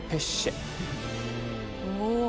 お！